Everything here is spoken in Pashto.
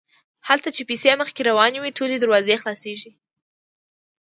هلته چې پیسې مخکې روانې وي ټولې دروازې خلاصیږي.